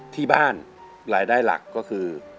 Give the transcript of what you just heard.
ที่บ้านรายได้หลักก็คือ